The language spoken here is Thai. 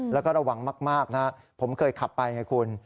แล้วก็ระวังมากนะผมเคยขับไปไงคุณ